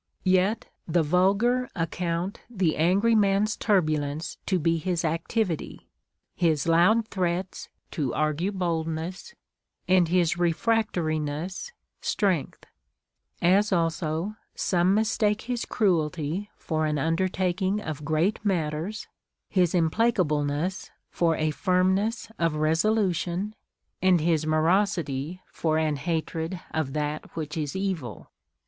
Yet the vulgar account the angry man's turbulence to be his activity, his loud threats to argue boldness, and his refractoriness strength ; as also some mistake his cruelty for an under taking of great matters, his implacableness for a firmness of resolution, and his morosity for an hatred of that Avhich is evil.